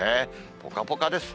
ぽかぽかです。